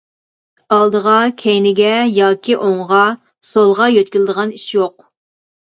ئالدىغا، كەينىگە ياكى ئوڭغا، سولغا يۆتكىلىدىغان ئىش يوق.